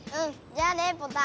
じゃあねポタ。